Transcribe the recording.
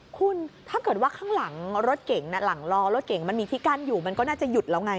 คุณถ้าเกิดว่าข้างหลังรถเก่งหลังล้อรถเก่งมันมีที่กั้นอยู่มันก็น่าจะหยุดแล้วไง